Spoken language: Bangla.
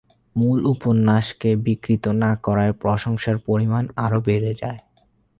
মূল উপন্যাসকে বিকৃত না করায় প্রশংসার পরিমাণ আরও বেড়ে গেছে।